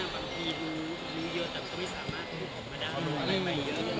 บางทีมันเยอะแต่ก็ไม่สามารถ